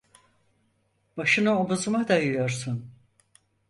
Başını omuzuma dayıyorsun…